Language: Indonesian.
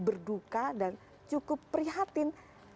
berduka dan cukup prihatin